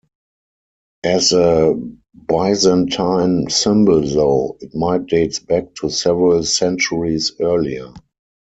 As a Byzantine symbol though, it might dates back to several centuries earlier.